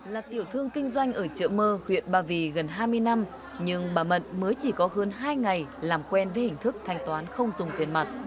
là tiểu thương kinh doanh ở chợ mơ huyện ba vì gần hai mươi năm nhưng bà mận mới chỉ có hơn hai ngày làm quen với hình thức thanh toán không dùng tiền mặt